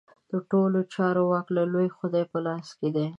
د ټولو چارو واک د لوی خدای په لاس کې دی.